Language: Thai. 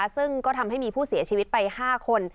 ซึ่งก็ทำให้มีผู้เสียชีวิตไป๕คน